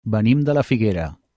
Venim de la Figuera.